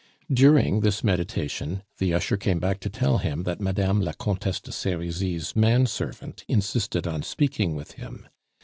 During this meditation, his usher came back to tell him that Madame la Comtesse de Serizy's man servant insisted on speaking with him.